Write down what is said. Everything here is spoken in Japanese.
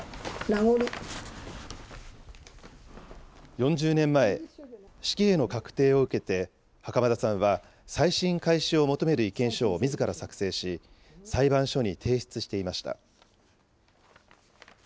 ４０年前、死刑の確定を受けて、袴田さんは再審開始を求める意見書をみずから作成し、裁判所に提出していました。